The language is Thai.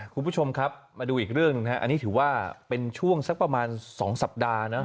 คุณผู้ชมครับมาดูอีกเรื่องหนึ่งนะครับอันนี้ถือว่าเป็นช่วงสักประมาณ๒สัปดาห์นะ